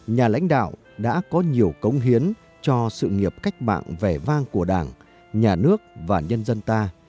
nhà lãnh đạo đã có nhiều công hiến cho sự nghiệp cách mạng vẻ vang của đảng nhà nước và nhân dân ta